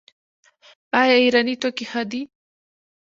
آیا ایراني توکي ښه دي؟